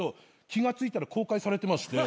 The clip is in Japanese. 気が付いたら公開されてまして。